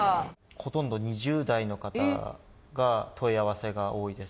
ほとんど２０代の方が問い合わせが多いです。